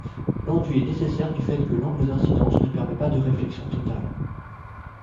L'enduit est nécessaire du fait que l'angle d'incidence ne permet pas de réflexion totale.